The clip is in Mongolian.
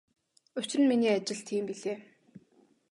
Учир нь миний ажил тийм билээ.